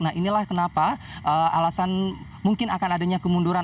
nah inilah kenapa alasan mungkin akan adanya kemunduran